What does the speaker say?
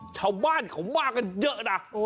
ชาวบ้านเขามากันเยอะนะ